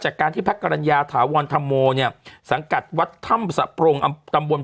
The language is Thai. จากการที่พระกรรณญาถาวรธรรมโมเนี่ยสังกัดวัดถ้ำสะโปรงตำบล